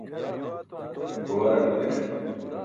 bubaarak maniṣ